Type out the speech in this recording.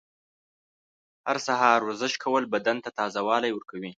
هر سهار ورزش کول بدن ته تازه والی ورکوي.